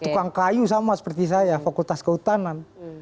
tukang kayu sama seperti saya fakultas kehutanan